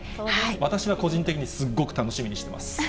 私は個人的にすっごく楽しみにしています。